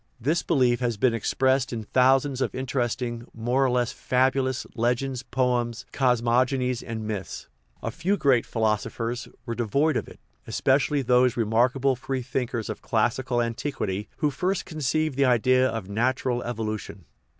This belief has been expressed in thousands of inter esting, more or less fabulous, legends, poems, cosmog onies, and myths. A few great philosophers were de void of it, especially those remarkable free thinkers of classical antiquity who first conceived the idea of nat ural evolution.